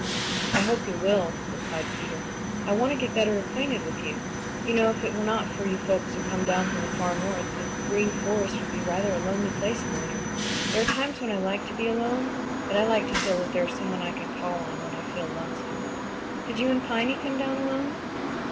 "I hope you will," replied Peter. "I want to get better acquainted with you. You know, if it were not for you folks who come down from the Far North the Green Forest would be rather a lonely place in winter. There are times when I like to be alone, but I like to feel that there is someone I can call on when I feel lonesome. Did you and Piny come down alone?"